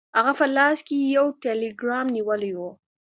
هغه په لاس کې یو ټیلګرام نیولی و.